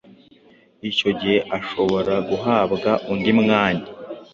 icyo gihe ashobora guhabwa undi mwanya.